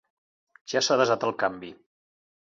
Ja s'ha desat el canvi.